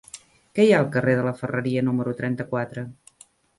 Què hi ha al carrer de la Ferreria número trenta-quatre?